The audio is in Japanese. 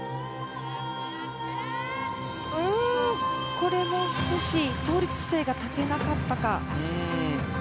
これも少し倒立姿勢が立てなかったか。